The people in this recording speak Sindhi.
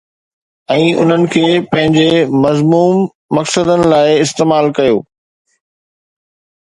۽ انهن کي پنهنجي مذموم مقصدن لاءِ استعمال ڪيو